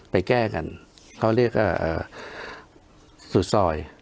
ไปแก้กันเขาเรียกว่าสุดซอย